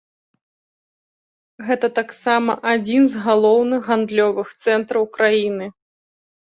Гэта таксама адзін з галоўных гандлёвых цэнтраў краіны.